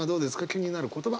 気になる言葉。